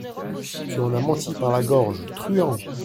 Tu en as menti par la gorge, truand !